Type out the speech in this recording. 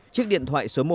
chiếc điện thoại số hai